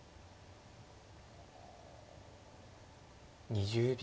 ２０秒。